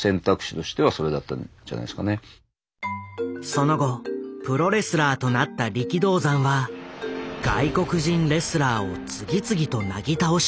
その後プロレスラーとなった力道山は外国人レスラーを次々となぎ倒した。